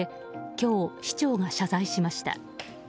今日、市長が謝罪しました。